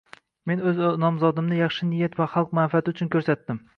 Men o'z nomzodimni yaxshi niyat va xalq manfaati uchun ko'rsatdim